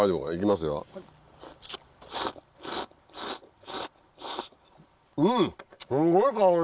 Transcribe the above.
すんごい香り。